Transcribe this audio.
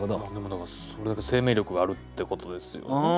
それだけ生命力があるってことですよね。